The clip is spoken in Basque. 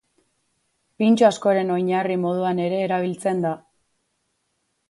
Pintxo askoren oinarri moduan ere erabiltzen da.